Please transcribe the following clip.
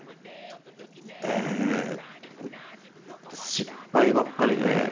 失敗ばっかりで。